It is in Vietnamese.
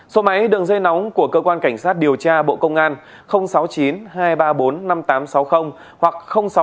số máy đường dây nóng của cơ quan cảnh sát điều tra bộ công an sáu mươi chín hai trăm ba mươi bốn năm nghìn tám trăm sáu mươi hoặc sáu mươi chín hai trăm ba mươi hai một nghìn sáu trăm bảy